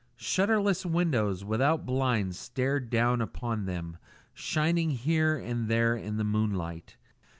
Shutterless windows, without blinds, stared down upon them, shining here and there in the moonlight.